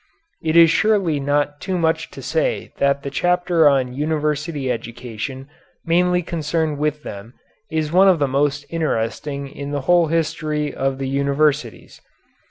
It is surely not too much to say that the chapter on university education mainly concerned with them is one of the most interesting in the whole history of the universities.